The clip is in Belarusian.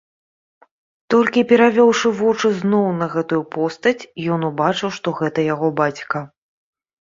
Толькі перавёўшы вочы зноў на гэтую постаць, ён убачыў, што гэта яго бацька.